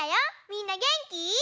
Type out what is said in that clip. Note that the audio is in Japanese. みんなげんき？